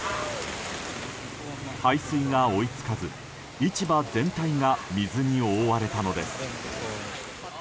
排水が追い付かず市場全体が水に覆われたのです。